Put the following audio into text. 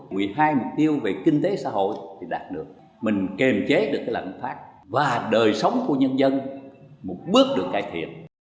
một mươi hai mục tiêu về kinh tế xã hội thì đạt được mình kiềm chế được cái lãnh phát và đời sống của nhân dân một bước được cải thiện